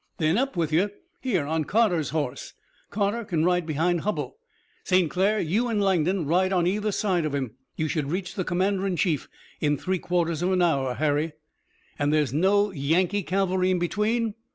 "Then up with you! Here, on Carter's horse! Carter can ride behind Hubbell! St. Clair, you and Langdon ride on either side of him! You should reach the commander in chief in three quarters of an hour, Harry!" "And there is no Yankee cavalry in between?"